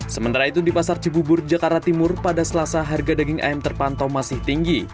sementara itu di pasar cibubur jakarta timur pada selasa harga daging ayam terpantau masih tinggi